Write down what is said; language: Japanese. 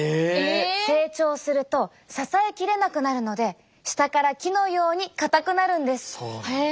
成長すると支えきれなくなるので下から木のようにかたくなるんです。